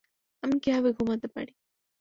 আমি কিভাবে ঘুমাতে পারি?